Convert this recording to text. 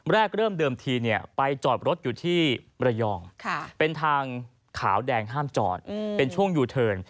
เริ่มเดิมทีไปจอดรถอยู่ที่มรยองเป็นทางขาวแดงห้ามจอดเป็นช่วงยูเทิร์น